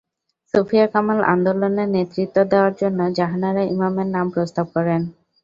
সুফিয়া কামাল আন্দোলনে নেতৃত্ব দেওয়ার জন্য জাহানারা ইমামের নাম প্রস্তাব করেন।